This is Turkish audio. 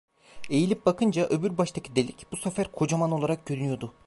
Eğilip bakınca öbür baştaki delik, bu sefer kocaman olarak görünüyordu.